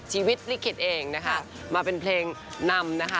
ชีวิตลิขิตเองนะคะมาเป็นเพลงนำนะคะ